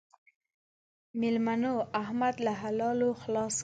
مېلمنو؛ احمد له حلالو خلاص کړ.